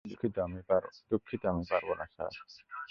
দুঃখিত, আমি পারব না, স্যার।